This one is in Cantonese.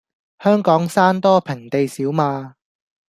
香港山多平地少嘛